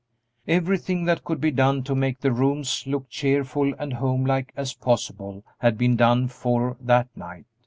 Everything that could be done to make the rooms look cheerful and homelike as possible had been done for that night.